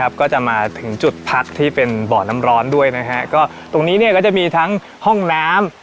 บ่อน้ำร้อนด้วยนะฮะก็ตรงนี้เนี้ยก็จะมีทั้งห้องน้ำ